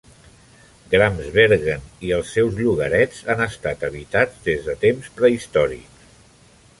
Gramsbergen i els seus llogarets han estat habitats des de temps prehistòrics.